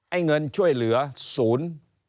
เงินช่วยเหลือศูนย์